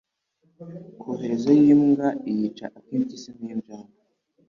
koherezayo imbwa iyica ak'impyisi n'injangwe